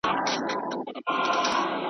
یو ناڅاپه یې زړه ډوب سو حال یې بل سو .